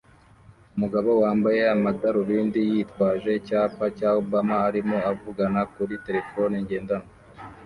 Umugabo wambaye amadarubindi yitwaje icyapa cya Obama arimo avugana kuri terefone ngendanwa